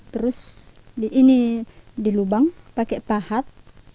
terus ini dilubang pakai pahat